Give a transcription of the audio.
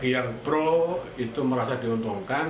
yang pro itu merasa diuntungkan